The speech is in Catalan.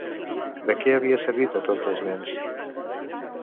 De què havia servit a tots els nens?